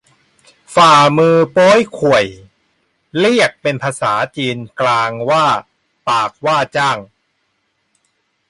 ฝ่ามือโป๊ยข่วย เรียกเป็นภาษาจีนกลางว่า ปากว้าจ่าง